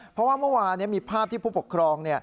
เพราะว่าเมื่อวานมีภาพที่ผู้ปกครอง